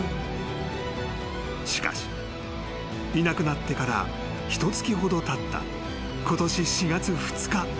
［しかしいなくなってからひとつきほどたったことし４月２日。